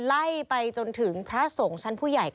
ไล่ไปจนถึงพระสงฆ์ชั้นผู้ใหญ่